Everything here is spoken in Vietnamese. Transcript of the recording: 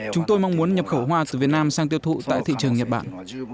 chúng tôi mong muốn nhập khẩu hoa từ việt nam sang tiêu thụ tại thị trường nhật bản